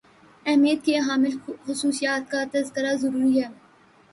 اہمیت کی حامل خصوصیات کا تذکرہ ضروری ہے